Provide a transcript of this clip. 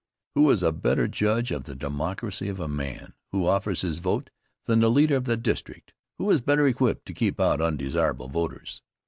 Who is a better judge of the Democracy of a man who offers his vote than the leader of the district? Who is better equipped to keep out undesirable voters?